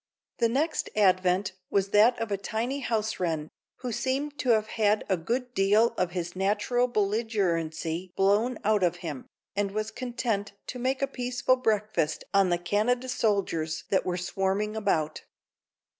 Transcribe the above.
The next advent was that of a tiny house wren, who seemed to have had a good deal of his natural belligerency blown out of him, and was content to make a peaceful breakfast on the Canada soldiers that were swarming about.